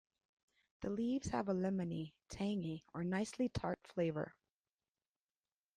The leaves have a lemony, tangy or nicely tart flavor.